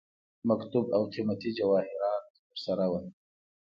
مکتوب او قيمتي جواهراتو ورسره وه.